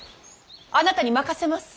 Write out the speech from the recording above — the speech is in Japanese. あなたに任せます。